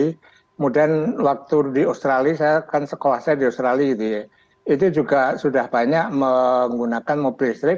kemudian waktu di australia saya kan sekolah saya di australia itu juga sudah banyak menggunakan mobil listrik